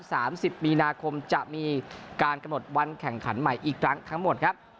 สามสิบมีนาคมจะมีการกำหนดวันแข่งขันใหม่อีกครั้งทั้งหมดครับ